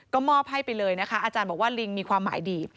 ก็มอบให้ไปเลยนะคะอาจารย์บอกว่าลิงมีความหมายดี